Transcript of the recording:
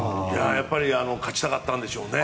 やっぱり勝ちたかったんでしょうね